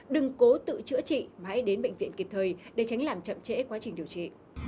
đừng cố tự chữa trị mãi đến bệnh viện kịp thời để tránh làm chậm trễ quá trình điều trị